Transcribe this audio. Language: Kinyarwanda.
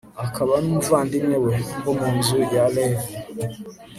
akaba n'umuvandimwe we, wo mu nzu ya levi